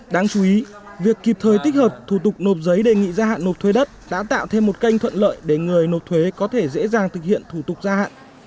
đáng chú ý việc kịp thời tích hợp thủ tục nộp giấy đề nghị gia hạn nộp thuế đất đã tạo thêm một kênh thuận lợi để người nộp thuế có thể dễ dàng thực hiện thủ tục gia hạn